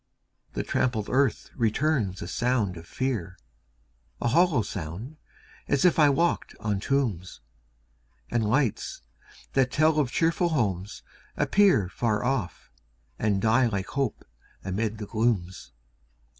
The trampled earth returns a sound of fear A hollow sound, as if I walked on tombs! And lights, that tell of cheerful homes, appear Far off, and die like hope amid the glooms.